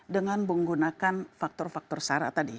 dengan menggunakan faktor faktor syarat tadi